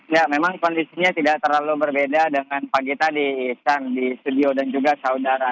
ya memang kondisinya tidak terlalu berbeda dengan pagi tadi isan di studio dan juga saudara